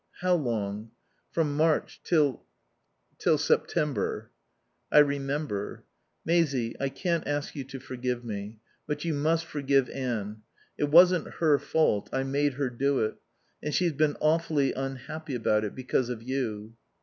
"How long?" "From March till till September." "I remember." "Maisie I can't ask you to forgive me. But you must forgive Anne. It wasn't her fault. I made her do it. And she's been awfully unhappy about it, because of you."